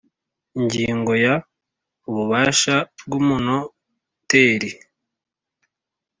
Ingingo ya ububasha bw umunoteri